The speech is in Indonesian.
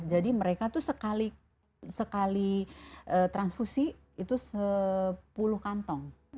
jadi mereka itu sekali transfusi itu sepuluh kantong